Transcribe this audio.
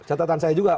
catatan saya juga